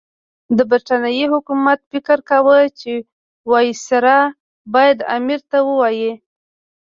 د برټانیې حکومت فکر کاوه چې وایسرا باید امیر ته ووايي.